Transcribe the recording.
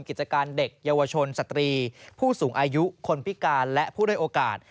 กิจการเด็กเยาวชนสตรีผู้สูงอายุคนพิการและผู้ด้วยโอกาส